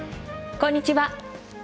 こんにちは。